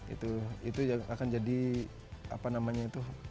itu akan jadi apa namanya itu